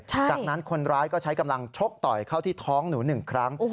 จากนั้นคนร้ายก็ใช้กำลังชกต่อยเข้าที่ท้องหนู๑ครั้ง